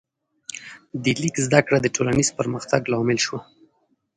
د لیک زده کړه د ټولنیز پرمختګ لامل شوه.